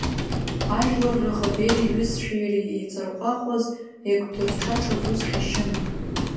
Ажәлар раӷа Бериа иҩызцәеи иареи еиҵарҟәаҟәаз, еиқәдырҽаҽаз ус ҟьашьын.